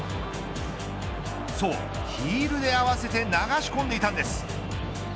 そう、ヒールで合わせて流し込んでいたんです。